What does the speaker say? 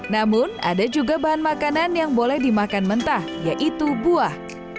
namun ada juga bahan makanan yang boleh dimakan mentah yaitu buah